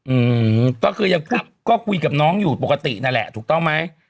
อืมก็คือยังพูดก็คุยกับน้องอยู่ปกตินั่นแหละถูกต้องไหม